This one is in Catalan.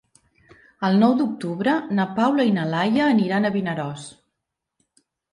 El nou d'octubre na Paula i na Laia aniran a Vinaròs.